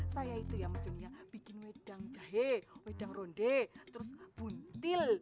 saya itu ya ujungnya bikin wedang jahe wedang ronde terus buntil